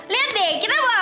lihat deh kita mau apa